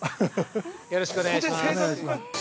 ◆よろしくお願いします。